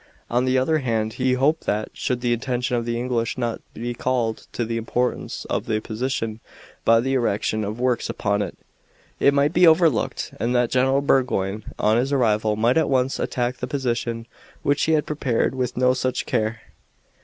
On the other hand, he hoped that, should the attention of the English not be called to the importance of the position by the erection of works upon it, it might be overlooked, and that General Burgoyne on his arrival might at once attack the position which he had prepared with so much care.